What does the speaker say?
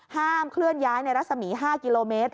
ห้ามเคลื่อนย้ายในรัศมี๕กิโลเมตร